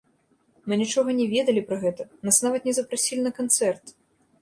Мы нічога не ведалі пра гэта, нас нават не запрасілі на канцэрт!